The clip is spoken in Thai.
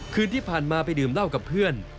คืนที่ผ่านมาไปดื่มเหล้ากับเพื่อน